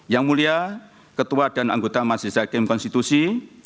yang mulia ketua dan anggota masjid zahid km konstitusi